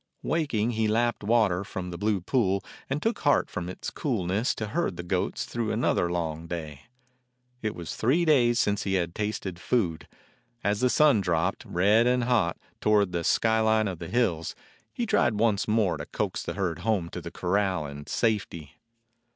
Waking he lapped water from the blue pool and took heart from its coolness to herd the goats through another long day. It was three days since he had tasted food. As the sun dropped, red and hot, toward the sky line of hills, he tried once more to coax the herd home to the corral and safety.